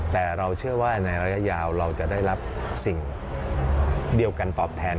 แต่เราเชื่อว่าในระยะยาวเราจะได้รับสิ่งเดียวกันตอบแทน